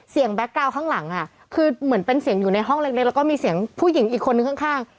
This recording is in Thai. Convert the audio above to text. แก๊กกาวน์ข้างหลังคือเหมือนเป็นเสียงอยู่ในห้องเล็กแล้วก็มีเสียงผู้หญิงอีกคนนึงข้าง